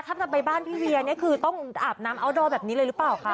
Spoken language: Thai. เมื่อไปบ้านพี่เฮียก็ต้องอาบน้ำอัลโดร์แบบนี้เลยรึเปล่าครับ